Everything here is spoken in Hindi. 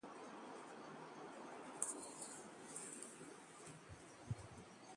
खुफिया एजेंसियों का अलर्ट, दिल्ली में हो सकती है सांप्रदायिक सौहार्द बिगाड़ने की कोशिश